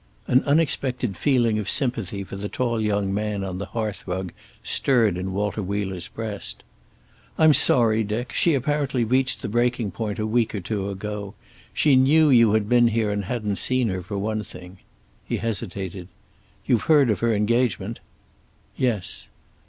An unexpected feeling of sympathy for the tall young man on the hearth rug stirred in Walter Wheeler's breast. "I'm sorry, Dick. She apparently reached the breaking point a week or two ago. She knew you had been here and hadn't seen her, for one thing." He hesitated. "You've heard of her engagement?" "Yes."